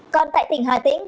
còn tại tỉnh hà tĩnh